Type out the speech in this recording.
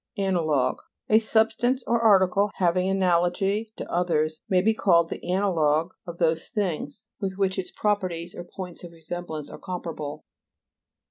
AN'ALOGUE A substance or article having ana'logy to others may be . called the an'alogue of those things with which its properties or points of resemblance are comparable.